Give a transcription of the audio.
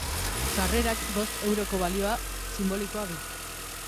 Sarrerak bost euroko balio sinbolikoa du.